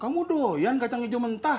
kamu doyan kacang hijau mentah